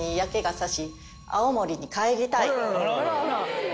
あららら。